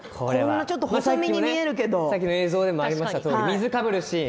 さっきの映像でもありました水をかぶるシーン。